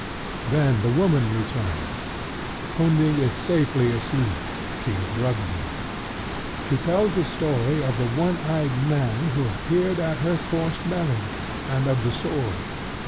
Then the woman returns. Hunding is safely asleep: she has drugged him. She tells the story of the one eyed man who appeared at her forced marriage, and of the sword.